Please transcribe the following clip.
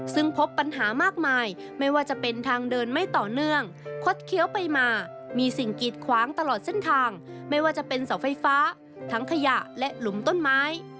ซึ่งพบปัญหามากมายไม่ว่าจะเป็นทางเดินไม่ต่อเนื่องคดเคี้ยวไปมามีสิ่งกีดขวางตลอดเส้นทางไม่ว่าจะเป็นเสาไฟฟ้าทั้งขยะและหลุมต้นไม้